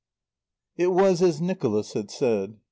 XX It was as Nicholas had said.